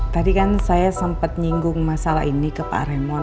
tadi kan saya sempat nyinggung masalah ini ke pak remo